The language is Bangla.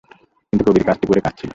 কিন্তু কবির কাজটি করে কাদঁছিল।